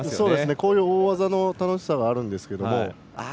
こういう大技の楽しさはあるんですけど。